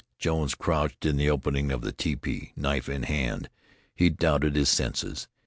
Jones crouched in the opening of the tepee, knife in hand. He doubted his senses.